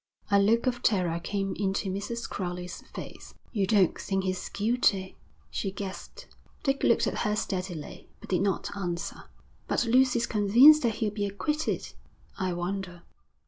A look of terror came into Mrs. Crowley's face. 'You don't think he's guilty?' she gasped. Dick looked at her steadily, but did not answer. 'But Lucy's convinced that he'll be acquitted.' 'I wonder.'